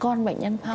con bệnh nhân phong